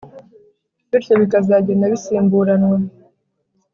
bityo zikagenda zisimburanwa